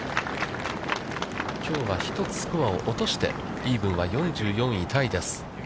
きょうは１つスコアを落として、イーブンは４４位タイです。